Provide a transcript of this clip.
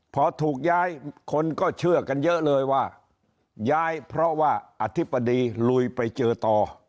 พอถูกย้ายคนก็เชื่อกันเยอะเลยว่าย้ายเพราะว่าอธิบดีลุยไปเจอต่อ